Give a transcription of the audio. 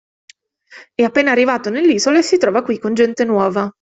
È appena arrivato nell'isola e si trova qui con gente nuova.